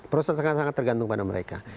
proses akan sangat tergantung pada mereka